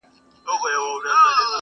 چي د وخت له تاریکیو را بهر سي،